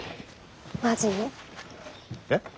えっ。